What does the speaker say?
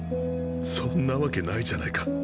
そんなわけないじゃないか。